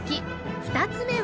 ２つ目は